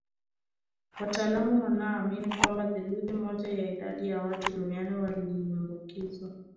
Wataalamu wanaamini kwamba theluthi moja ya idadi ya watu duniani waliambukizwa